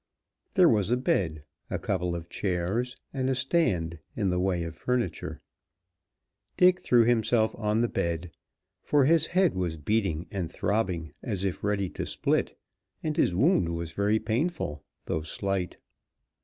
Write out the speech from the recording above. There was a bed, a couple of chairs, and a stand, in the way of furniture. Dick threw himself on the bed, for his head was beating and throbbing as if ready to split, and his wound was very painful, though slight.